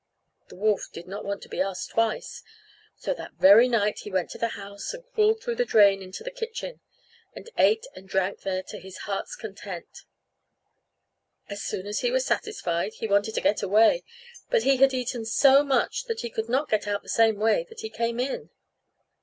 The wolf did not want to be asked twice; so that very night he went to the house and crawled through the drain into the kitchen, and ate and drank there to his heart's content. As soon as he was satisfied, he wanted to get away; but he had eaten so much that he could not get out the same way that he came in.